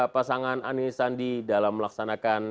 pasangan anies sandi dalam melaksanakan